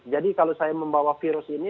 jadi kalau saya membawa virus ini